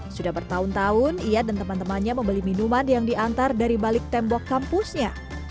sudah bertahun tahun ia dan teman temannya membeli minuman yang diantar dari balik tembok kampusnya